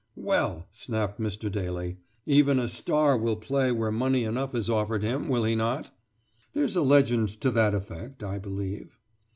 "Well!" snapped Mr. Daly. "Even a star will play where money enough is offered him, will he not?" "There's a legend to that effect, I believe.'